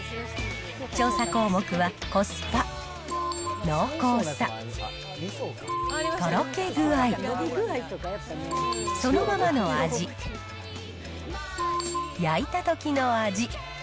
調査項目は、コスパ、濃厚さ、とろけ具合、そのままの味、焼いたときの味。